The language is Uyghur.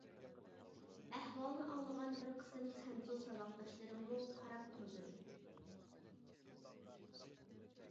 ئەھۋالنى ئاڭلىغان بىر قىسىم خەنزۇ ساۋاقداشلىرىممۇ قاراپ تۇرمىدى.